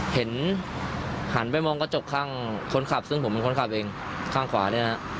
หันหันไปมองกระจกข้างคนขับซึ่งผมเป็นคนขับเองข้างขวาเนี่ยนะฮะ